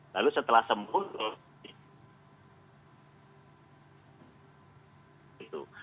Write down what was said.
lalu setelah sembuh itu